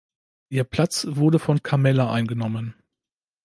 Ihr Platz wurde von Carmella eingenommen.